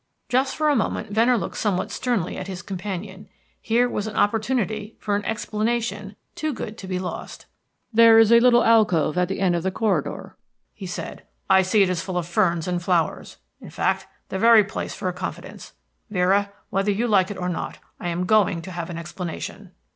Just for a moment Venner looked somewhat sternly at his companion. Here was an opportunity for an explanation too good to be lost. "There is a little alcove at the end of the corridor," he said. "I see it is full of ferns and flowers. In fact, the very place for a confidence. Vera, whether you like it or not, I am going to have an explanation."